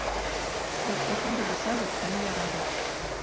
Беҙ утынды бысабыҙ һәм ярабыҙ